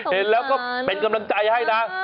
เห็นแล้วก็เป็นกำลังใจให้นะ